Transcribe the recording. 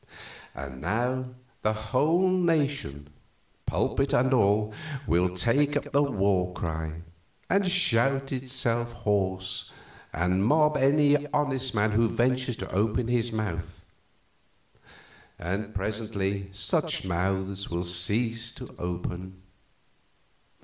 And now the whole nation pulpit and all will take up the war cry, and shout itself hoarse, and mob any honest man who ventures to open his mouth; and presently such mouths will cease to open.